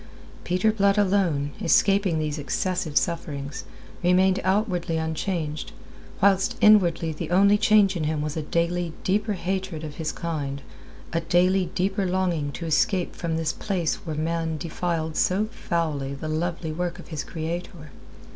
Peter Blood alone, escaping these excessive sufferings, remained outwardly unchanged, whilst inwardly the only change in him was a daily deeper hatred of his kind, a daily deeper longing to escape from this place where man defiled so foully the lovely work of his Creator.